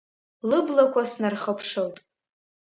Лыблақәа снархыԥшылт.